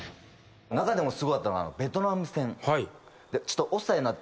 中でもすごかったのはベトナム戦。